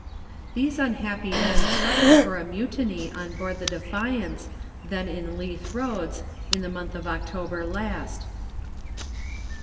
These unhappy men suffered for a mutiny on board the Defiance, then in Leith roads, in the month of October last.